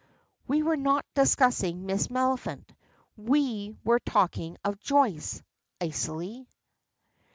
"We were not discussing Miss Maliphant, we were talking of Joyce," icily.